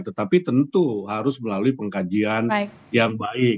tetapi tentu harus melalui pengkajian yang baik